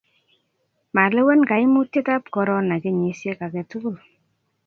malewen kaimutietab korona kenyisiek age tugul